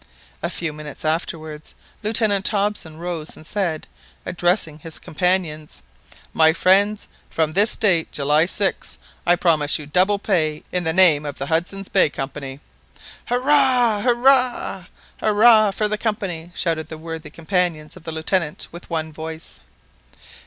A few minutes afterwards, Lieutenant Hobson rose and said, addressing his companions "My friends, from this date, July 6th, I promise you double pay in the name of the Hudson's Bay Company!" "Hurrah! hurrah! hurrah for the Company!" shouted the worthy companions of the Lieutenant with one voice.